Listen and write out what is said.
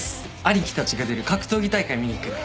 兄貴たちが出る格闘技大会見に行くんで。